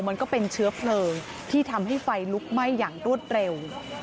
มันก็เป็นเชื้อเพลิงที่ทำให้ไฟลุกไหม้อย่างรวดเร็ว